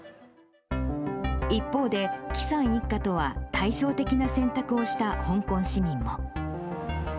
一方で、祁さん一家とは対照的な選択をした香港市民も。